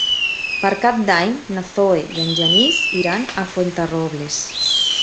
Per Cap d'Any na Zoè i en Genís iran a Fuenterrobles.